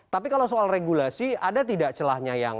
tapi kalau soal regulasi ada tidak celahnya yang